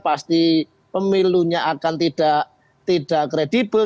pasti pemilunya akan tidak kredibel